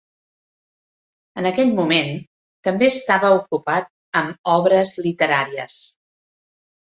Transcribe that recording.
En aquell moment, també estava ocupat amb obres literàries.